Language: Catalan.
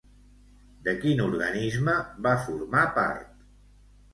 De quin organisme va formar part?